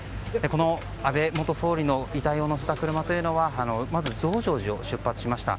安倍元総理の遺体を乗せた車というのはまず増上寺を出発しました。